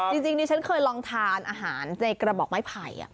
จริงดิฉันเคยลองทานอาหารในกระบอกไม้ไผ่